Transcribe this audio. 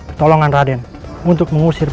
pertolongan raden untuk mengusir